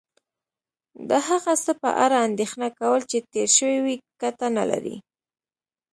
د هغه څه په اړه اندېښنه کول چې تیر شوي وي کټه نه لرې